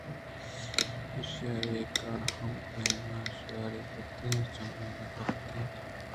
ایشی ءَ اے کار ہمے پیم شِیواری ءَ کُت کہ کسّی چمّے ہم نہ کپت اَنت ءُ پِر